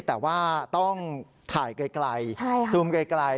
แต่ว่าต้องถ่ายไกลซูมไกล